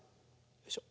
よいしょ。